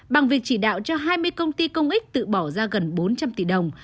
bằng việc chỉ đạo cho hai mươi công ty công ích tự bỏ ra gần bốn trăm linh tỷ đồng